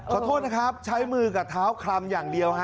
ขอโทษนะครับใช้มือกับเท้าคลำอย่างเดียวฮะ